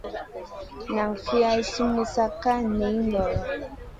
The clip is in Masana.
Nan fi al sumun sa ka niyn goyo.